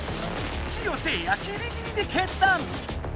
ジオせいやギリギリで決断！